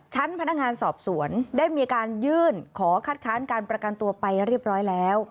ชั้นพนักงานสอบสวนได้มีการยื่นขอคัดค้านการประกันตัวไปเรียบร้อยแล้ว